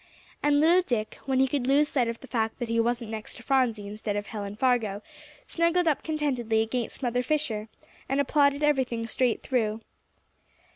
And little Dick, when he could lose sight of the fact that he wasn't next to Phronsie instead of Helen Fargo, snuggled up contentedly against Mother Fisher, and applauded everything straight through.